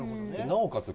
なおかつ